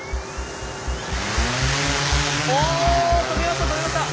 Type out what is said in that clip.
お飛びました飛びました。